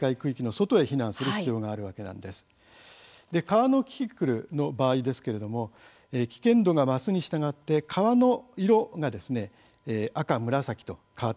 川のキキクルの場合ですけれども危険度が増すにしたがって川の色が赤、紫と変わっていきます。